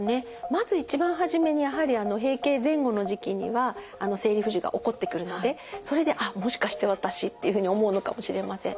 まず一番初めにやはり閉経前後の時期には生理不順が起こってくるのでそれで「もしかして私」っていうふうに思うのかもしれません。